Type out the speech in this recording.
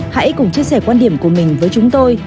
hãy cùng chia sẻ quan điểm của mình với chúng tôi